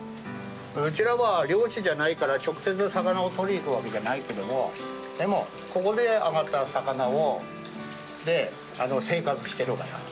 うちらは漁師じゃないから直接魚を取りに行くわけじゃないけどもでもここで揚がった魚で生活してるから。